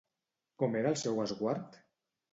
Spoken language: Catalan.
Com era el seu esguard?